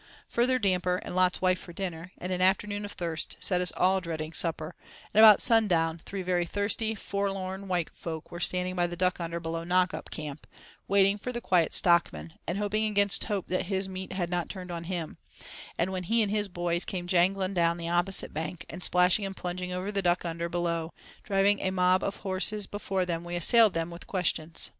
Further damper and "Lot's wife" for dinner, and an afternoon of thirst, set us all dreading supper, and about sundown three very thirsty, forlorn white folk were standing by the duck under below "Knock up camp," waiting for the Quiet Stockman, and hoping against hope that his meat had not "turned on him"; and when he and his "boys" came jangling down the opposite bank, and splashing and plunging over the "duckunder" below, driving a great mob of horses before them we assailed him with questions.